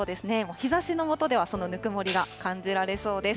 日ざしの下ではその温もりが感じられそうです。